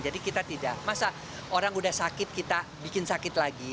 jadi kita tidak masa orang udah sakit kita bikin sakit lagi